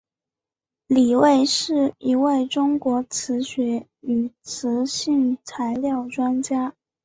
李卫是一位中国磁学与磁性材料专家。